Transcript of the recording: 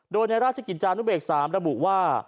โดยในราชกิจจานุเบก๓ระบุว่า